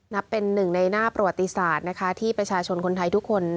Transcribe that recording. นับเป็นหนึ่งในหน้าประวัติศาสตร์นะคะที่ประชาชนคนไทยทุกคน